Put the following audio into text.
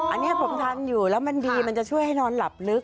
อันนี้ผมทำอยู่แล้วมันดีมันจะช่วยให้นอนหลับลึก